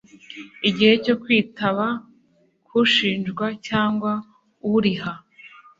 igihe cyo kwitaba k ushinjwa cyangwa uriha